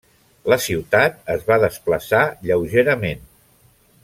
La ciutat es va desplaçar lleugerament.